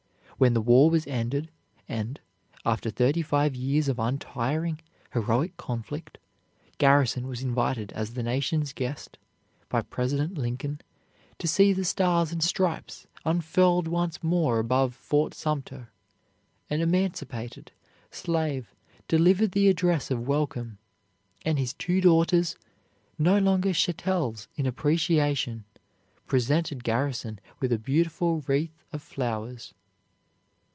When the war was ended, and, after thirty five years of untiring, heroic conflict, Garrison was invited as the nation's guest, by President Lincoln, to see the stars and stripes unfurled once more above Fort Sumter, an emancipated slave delivered the address of welcome, and his two daughters, no longer chattels in appreciation presented Garrison with a beautiful wreath of flowers.